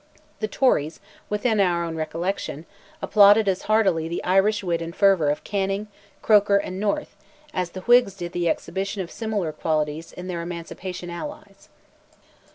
The Tories, within our own recollection, applauded as heartily the Irish wit and fervour of Canning, Croker, and North, as the Whigs did the exhibition of similar qualities in their Emancipation allies.